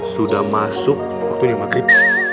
sudah masuk waktu ini maghrib